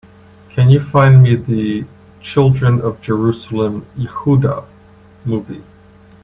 Can you find me the Children of Jerusalem: Yehuda movie?